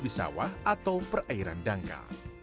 di sawah atau perairan dangka